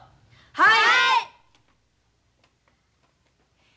はい！